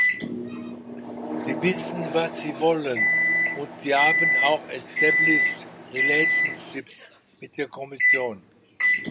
Sie wissen, was sie wollen, und sie haben auch established relationships mit der Kommission.